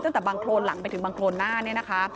ตั้งแต่บังโครนหลังไปถึงบังโครนหน้าเนี่ยนะคะ